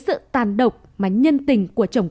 sự tàn độc mà nhân tình của chồng